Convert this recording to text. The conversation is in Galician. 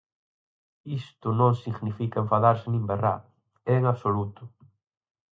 Isto non significa enfadarse nin berrar, en absoluto.